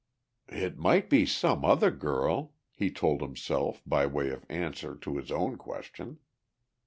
"It might be some other girl," he told himself by way of answer to his own question.